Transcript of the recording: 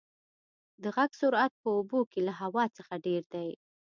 د غږ سرعت په اوبو کې له هوا څخه ډېر دی.